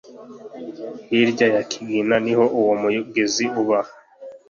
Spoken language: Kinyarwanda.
hirya ya kigina niho uwo mugezi uba